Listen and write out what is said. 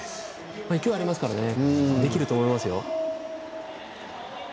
勢いありますからできると思いますよ。